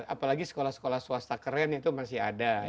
apalagi sekolah sekolah swasta keren itu masih ada